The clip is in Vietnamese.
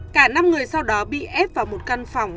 cả năm người sau đó bị ép vào một căn phòng